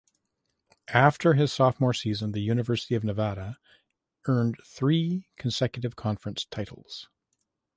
After his sophomore season, the University of Nevada earned three consecutive conference titles.